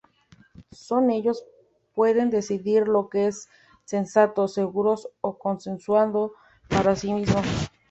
Solo ellos pueden decidir lo que es sensato, seguro o consensuado para sí mismos.